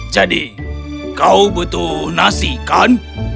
jadi kau butuh nasi kan